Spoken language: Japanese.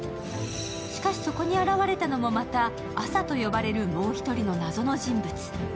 しかし、そこに現れたのもまた、アサと呼ばれるもう１人の謎の人物。